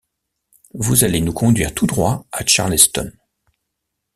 Vous allez nous conduire tout droit à Charleston.